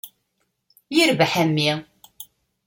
Yirbeḥ a mmi.